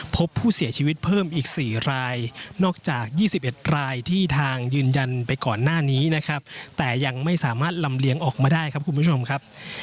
พบผู้เสียชีวิตเพิ่มอีก๔รายนอกจาก๒๑รายที่ทางยืนยันไปก่อนหน้านี้นะครับแต่ยังไม่สามารถลำเลียงออกมาได้ครับคุณผู้ชมครับ